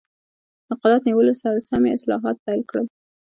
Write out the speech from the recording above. د قدرت نیولو سره سم یې اصلاحات پیل کړل.